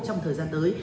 trong thời gian tới